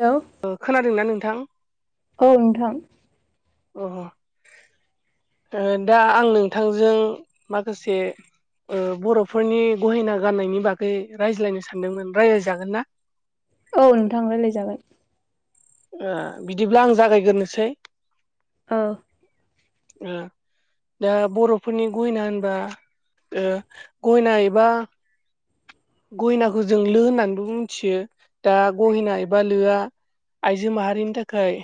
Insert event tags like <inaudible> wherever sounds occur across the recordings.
हेल' ओ खोनादोंना नोंथां? औ नोंथां। अ ओ दा आं नोंथांजों माखासे ओ बर'फोरनि गहेना गाननायनि बागै रायज्लायनो सानदोंमोन, रायज्लाय जागोन ना? औ नोंथां रायज्लाय जागोन। ओ बिदिब्ला आं जागायग्रोनोसै ओ। ओ। दा बर'फोरनि गहेना होनबा ओ गहेना एबा गहेनाखौ जों लो होननानैबो मिथियो। दा गहेना एबा लोआ आइजो माहारिनि थाखाय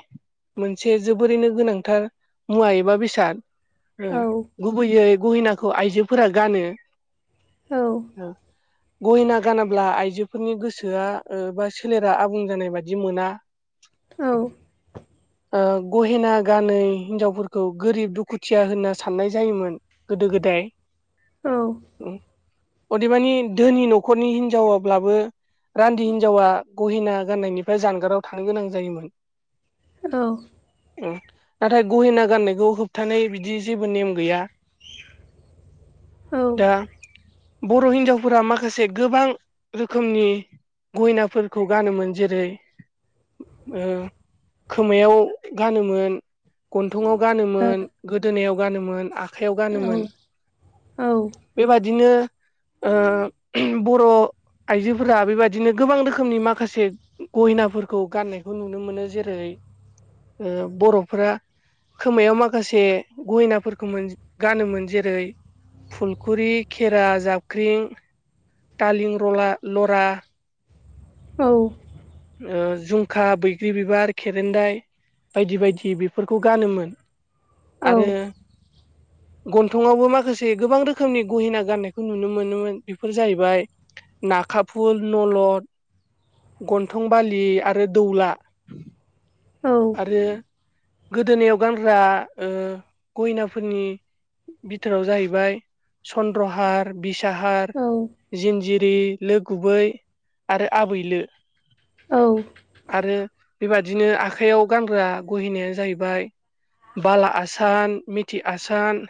मोनसे जोबोरैनो गोनांथार मुवा एबा बेसाद। औ गुबैयै गहेनाखौ आइजोफोरा गानो। औ। ओ गहेना गानाब्ला आइजोफोरनि गोसोआ बा सोलेरा आबुं जानाय बायदि मोना। <inaudible> औ। <inaudible> ओ गहेना गानै हिन्जावफोरखौ गोरिब दुखुथिया होनना साननाय जायोमोन। गोदो गोदाय औ ओय अदेबानि धोनि न'खरनि हिनजावब्लाबो रान्दि हिन्जावा गहेना गान्नायनिफ्राय जानगाराव थानो गोनां जायोमोन। औ। औ नाथाय गहेना गाननायखौ होबथानाय बिदि जेबो नेम गैया। औ दा बर' हिन्जाव फोरा माखासे गोबां रोखोमनि गहेनाफोरखौ गानोमोन जेरै ओ खोमायाव गानोमोन। गन्थंआव औ गानोमोन, गोदोनायाव गानोमोन, आखाइयाव औ गानोमोन। औ बेबादिनो ओ बर' आइजोफोरा बेबायदिनो गोबां रोखोमनि माखासे गहेनाफोरखौ गाननायखौ नुनो मोनो जेरै ओ बर'फोरा खोमायाव माखासे गहेनाफोरखौ मोन गानोमोन जेरै फुलखुरि, खेरा, जाबख्रिं, थालिं, रला लरा औ। ओ जुमखा, बैग्रि बिबार, खेरेन्दाय, बायदि बायदि बेफोरखौ गानोमोन आरो गन्थंवावबो माखासे गोबां रोखोमनि गहेना गान्नायखौ नुनो मोनोमोन। बेफोर जाहैबाय नाखाफुल, नलद, गन्थं बालि आरो दौला। औ। आरो गोदोनायाव गानग्रा ओ गहेनाफोरनि बिथोराव जाहैबाय चन्द्रहार बिसाहार, जिनजिरि, लो गुबै आरो आबैलो। औ। आरो बेबादिनो आखाइयाव गानग्रा गहेनायानो जाहैबाय बाला आसान, मिथि आसान,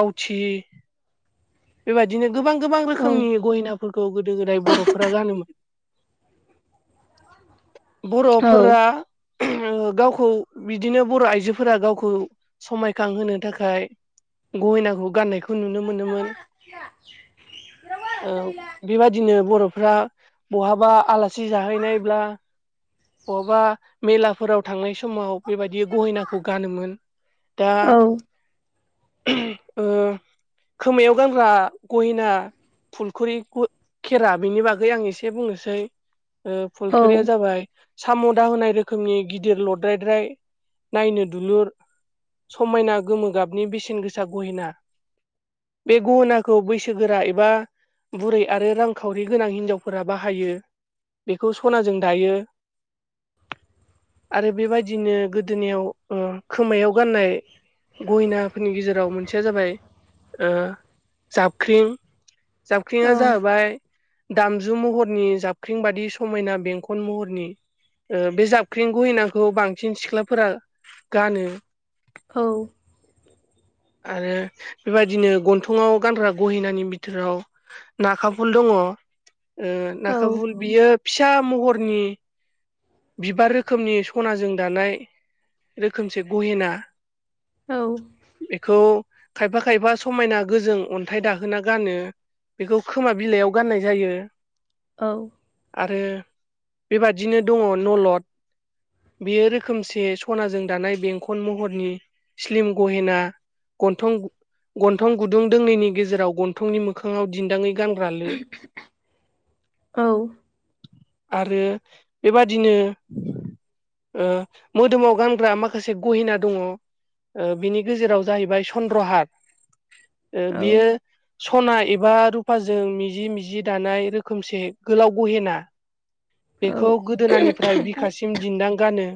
बावथि बेबायदिनो गोबां गोबां रोखोमनि गहेना फोरखौ गोदो गोदाय बर'फोरा गानोमोन। औ बर'फोरा गावखौ बिदिनो बर' आइजोफोरा गावखौ समायखांहोनो थाखाय गहेनाखौ गान्नायखौ नुनो मोनोमोन। <inaudible> औ बेबादिनो बर'फ्रा बहाबा आलासि जाहैनायब्ला, बहाबा मेलाफोराव थांनाय स समाव बेबायदि गहेनाखौ गानोमोन। दा ओ खोमायाव गानग्रा गहेना फुलखुरि खु खेरा बेनि बागै आं एसे बुंनोसै। ओ औ फुलखिरिया जाबाय साम' दाहोनाय रोखोमनि गिदिर लद्रायद्राय नायनो दुलुर समायना गोमो गाबनि बेसेन गोसा गहेना। बे गहेनाखौ बैसोगोरा एबा बुरै आरो रांखावरि गोनां हिन्जावफोरा बाहायो। बेखौ सनाजों दायो। आरो बेबायदिनो गोदोनियाव खोमायाव गाननाय गहेनाफोरनि गेजेराव मोनसेया जाबाय ओ जाबख्रिं। जाबख्रिङा जाहैबाय दामजु महरनि जाबख्रिंबादि समायना बेंखन महरनि ओ बे जाबख्रिं गहेनाखौ बांसिन सिख्लाफोरा गानो। औ। आरो बेबायदिनो गन्थङाव गानग्रा गहेनानि बिथोराव नाखाफुल दङ। नाखाफुल बियो फिसा महरनि बिबार रोखोमनि सनाजों दानाय रोखोमसे गहेना। औ। बेखौ खायफा खायफा समायना गोजों अन्थाइ दाहोना गानो। बेखौ खोमा बिलाइयाव गाननाय जायो। औ। आरो बेबादिनो दङ नलद। बेयो रोखोमसे सनाजों दानाय बेंखन महरनि स्लिम गहेना। गन्थं गु गन्थं गुदुं दोंनैनि गेजेराव गन्थंनि मोखाङाव दिन्दाङै गानग्रा लो आरो बेबादिनो मोदोमाव गानग्रा माखासे गहेना दङ। बिनि गेजेराव जाहैबाय चन्द्रहार। ओ बियो सना एबा रुफाजों मिजि मिजि दानाय रोखोमसे गोलाव गहेना। खौ गोदोनानिफ्राय बिखासिम दिन्दां गानो।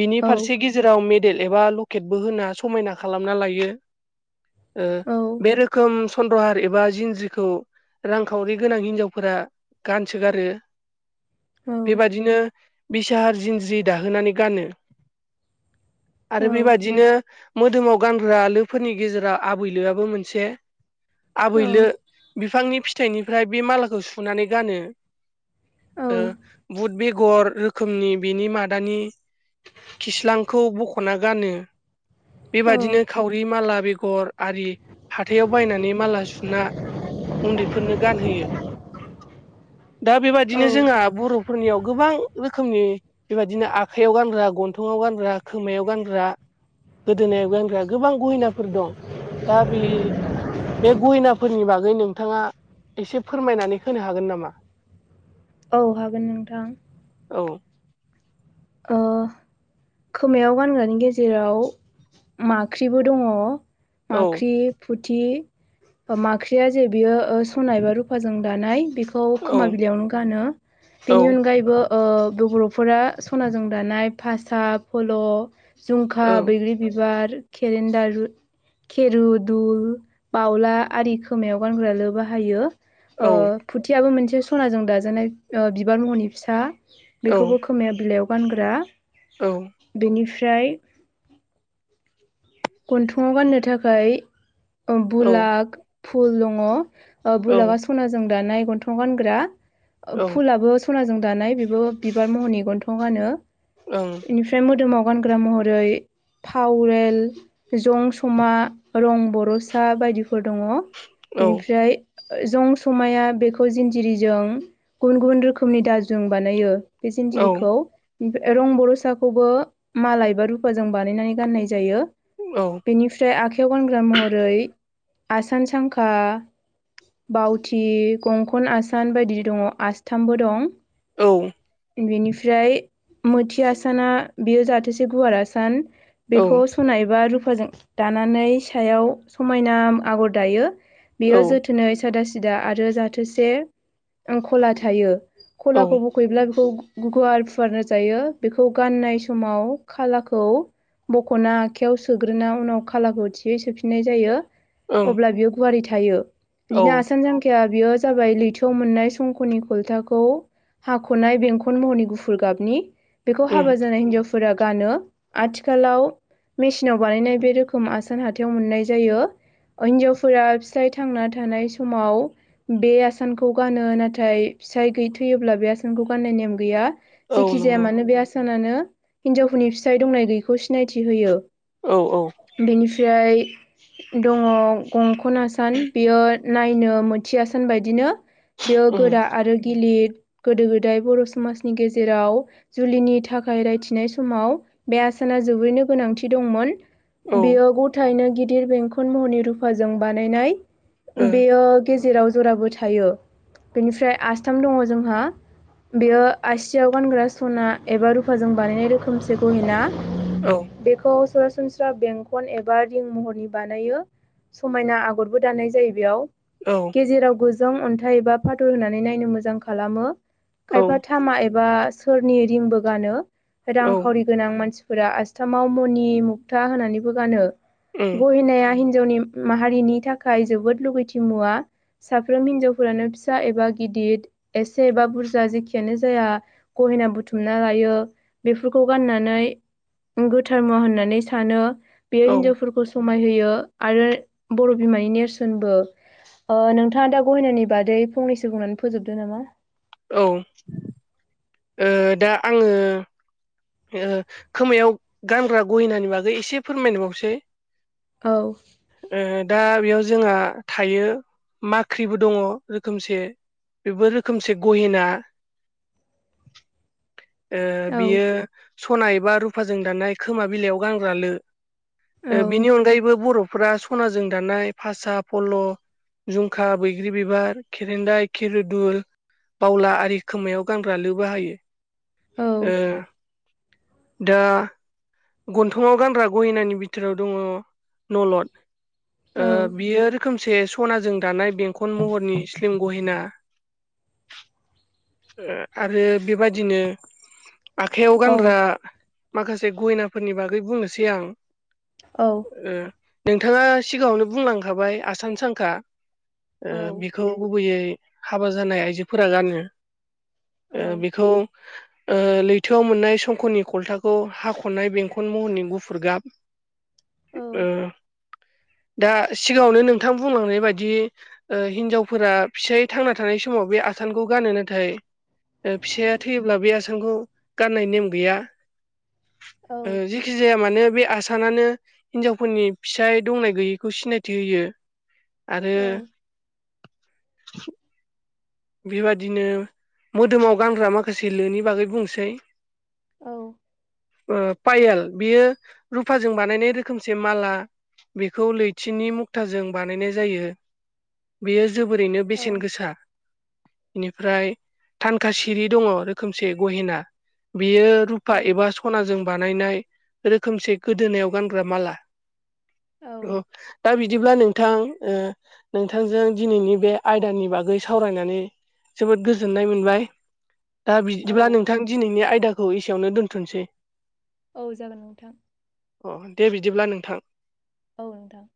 बिनि फारसे गेजेर जेराव मेडेल एबा लकेटबो होना समायना खालामना लायो। ओ बे रोखोम स सन्द्रहार एबा जिनज्रिखौ रांखावरि गोनां हिनजावफोरा गानसोगारो बेबादिनो बिसाहार जिनज्रि दाहोनानै गानो आरो बेबादिनो मोदोमाव गानग्रा लोफोरनि गेजेराव आबैलोआबो मोनसे आबैलो बिफांनि फिथाइनिफ्राय बे मालाखौ सुनानै गानो। ओ बुद बेगर रोखोमनि बेनि मादानि खिस्लांखौ बख'ना गानो बेबायदिनो थावरि माला बेगर आरि हाथायाव बायनानै माला सुना उन्दैफोरनो गानहोयो दा औ बिदिनो जोंहा बर'फोरनियाव गोबां रोखोमनि बेबायदिनो आखाइयाव गानग्रा गन्थंआव गानग्रा खोमायाव गानग्रा गोदोनायाव गानग्रा गोबां गहिनाफोर दं। दा बे बे गहेनाफोरनि बागै नोंथाङा एसे फोरमायनानै होनो हागोन नामा? औ हागोन नोंथां औ ओ खोमायाव गानग्रानि गेजेराव माख्रिबो दङ। औ माख्रि फुथि माख्रिया जे बियो सनाय एबा रुफाजों दानाय बेखौ खोमा औ बिलाइआव नो गानो बेनि औ अनगायैबो ओ बर' फोरा सनाजों दानाय फासा फल' औ जझुमखा बैग्रि बिबार केेरेन्डारु खेरुदुल बावला आरि खोमायाव गानग्राल' बाहायो औ ओ फुथियाबो मोनसे सनाजों दाजानाय ओ बिबार महरनि फिसा बेखौबो खोब खोमाया बिलाइयाव गानग्रा औ दु निफ्राय गन्थंआव गाननो थाखाय औ बुलाख फुल दङ। बुलाबा ओं सना जों दानाइ गथंआव गानग्रा औ फुलाबो सनाजों दानाय बेबो बिबार महरनि गन्थंआव गानो औ बि बे मोदोमाव गानग्रा महरै थावबेल जं समा रं बर'सा बायदिफोर दङ औ बेनिफ्राय जंसमाया बेखौ जिनजिरिजों गुबुन गुबुन रोखोमनि दाल जों बानायो। बे जिनजिरिखौ रं बर'साखौबो माला एबा रुफाजों बानायनानै गाननाय जायो। औ बेनिफ्राय आखायाव गानग्रा महरै आसान सांखा बाावथि गंखन आसान बायदि दङ आसथामबो दं औ बेनिफ्राय मोथि आसाना बेयो जाहाथेसे गुवार आसान बेखौ सुनाय एबा रुफाजों दानानै सायाव समायना आगर दायो बेयो जोथोन थोनै सादा सिदा आरो जाथोसे ओ खला थायो खलाखौ गैब्ला बेखौ गु गुवार फुवारना जायो बेखौ गाननाय समाव खालाखौ बख'ना आखायाव सोग्रोना उनाव खालाखौ थियै सोफिननाय जायो अब्ला बियो गुवारि थायो। बिदिनो ओं औ आसान जांखिया बेयो जाबाय लैथोआव मोननाय संख'नि खलथाखौ हाख'नाय बेंखन महरनि गुफुर गाबनि बेखौ उम हाबा जानाय हिन्जावफोरा गानो आथिखालाव मेसिनाव बानायनाय बे रोखोम आसान हाथायाव मोननाय जायो। ओ हिनजावफोरा फिसाइ थांना थानाय समाव बे आसानखौ गानो। नाथाय फिसाय थै-थैयोब्ला बे आसानखौ गाननाय नेम गैया। औ जेखिजाया नंगौ मानो बे आसानानो हिनजावफोरनि फिसाइ दंनाय गैयैखौ सिनायथि होयो। औ औ। बिनिफ्राय दङ गंखना सान बियो नायनो मोनथिया आसान बायदिनो। बेयाव उम गोरा आरो गिलिर। गोदो गोदाय बर' समाजनि गेजेराव जुलिनि थाखाय रायथिनाय समाव बे आसाना जोबोरैनो गोनांथि दंमोन। औ ओ बेयो गथायैनो गिदिर बेंखन महरनि रुफाजों बानायनाय। औ बेयो गेजेराव जराबो थायो। बेनिफ्राय आसथाम दङ जोंहा बेयो आसियाव गानग्रा सना एबा रुफाजों बानायनाय रोखोमसे गहेना। औ। खौ सरासनस्रा बेंखन एबा रिं महरनि बानायो। समायना आगरबो दाननाय जायो बेयाव। औ। गेजेराव गोजौ अन्थाइ एबा फाथल होनानै नायनो मोजां खालामो औ खायफा थामा एबा बा सोरनि रिंबो गानो उम रांरि गोनां मानसिफ्रा आसथामाव नि मुथा होनानैबो गानो गहेनाया हि हिनजावनि माहारिनि थाखाय जोबोद लुगैथि मुवा। साफ्रोम हिनजावफोरानो फिसा एबा गिदिर एसे एबा बुरजा जेखियानो जाया। गहेना बुथुमना लायो बेफोरखौ गाननानै धर्म होननानै सानो बेयो औ औ हिजावफोरखौ समाय होयो आरो बर' बिमानि नेरसोनबो नोंथाङा दा गहेनानि बादै फंनैसो बुंनानै फोजोबदो नामा? औ ओ दा आङो ओ खोमायाव गानग्रा गहिनानि बागै एसे फोरमायनोबावसै‌। औ। ओ दा बेयाव जोंहा थायो माख्रिबो दङ रोखोमसे बेबो रोखोमसे गहेना ओ औ बियो सनाबा रुफाजों दाननाय खोमा बिलाइयाव गानग्रा लो। औ बिनि अनगायैबो बर' फ्रा सनाजों दानाय फासा फल्ल' जुमखा, बैग्रि बिबार, खेरेदाय, खिरुदुल, बावला आरि खोमायाव गानग्रा लु बाहायो। औ ओ दा गन्थंआव गानग्रा गहनानि बिथोराव दङ नलद। औ बियो रोखोम से सनाजों दानाय बेंखन महरनि स्लिम गहेना। आरो बेबादिनो आखाइयाव औ गानग्रा माखासे गहेनाफोरनि बागै बुंनोसै आं। औ। नोंथाङा सिगाङावनो बुंलांखाबाय आसान सांखा। औ बेखौ गुबैयै हाबा जानाय आइजोफोरा गानो। औ बेखौ लैथोआव मोननाय संख'नि खलथाखौ हाख'नाय बेंखन महरनि गुफुर गाब औ ओ। दा सिगाङावनो नोंथां बुंलांनाय बायदि हिनजावफोरा फिसाय थांना थानाय समाव बे आसानखौ गानो। नाथाय फिसाया थैयोब्ला बे आसानखौ गाननाय नेम गैया। औ ओ जि जिखि जाया मानो बे आसानानो हिन्जावफोरनि फिसाइ दंनाय गैयैखौ सिनायथि होयो। आरो बेबादिनो मोदोमाव गानग्रा माखासे लोनि बागै बुंनोसै ओ पायेल बेयो रुफाजों बानायनाय रोखोमसे माला बेखौ लैथिनि मुक्ताजों बानायनाय जायो बेयो जोबोरैनो बेसेन गोसा बेनिफ्राय थानखा सिरि दङ रोखोमसे गहेना बेयो रुफा एबा सनाजों बानायनाय रोखोमसे गोदोनायाव गानग्रा माला औ दा बिदिब्ला नों नोंथां ओ नोंथांजों दिनैनि बे आयदानि बागै सावरायनानै जोबोद गोजोननाय मोनबाय दा औ बिदिब्ला नोंथां दिनैनि आयदाखौ एसेयावनो दोनथ'नोसै औ जागोन नोंथां अ दे बिदिब्ला नोंथां औ नोंथां